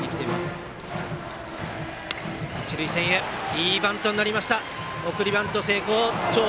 いいバントになりました送りバント成功。